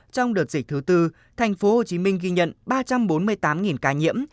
trong đợt dịch thứ tư tp hcm ghi nhận ba trăm bốn mươi tám ca nhiễm